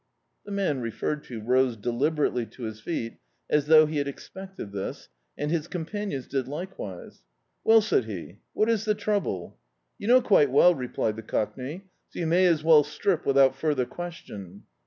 The man referred to rose deliberately to his feet, as though he had expected this, and his omipanions did likewise. "Well," said he, "what is the trouble?" "You know quite well," replied the Cockney, "so you may as well strip wiAout further question."